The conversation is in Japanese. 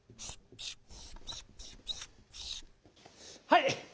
はい！